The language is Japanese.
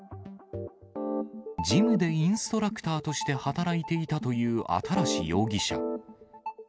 ジムでインストラクターとして働いていたという新容疑者。